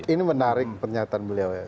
ini menarik pernyataan beliau ya